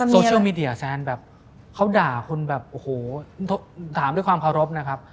โซเชียลมีเดียแซนแบบเขาด่าคนแบบโอ้โหถามด้วยความเคารพนะครับ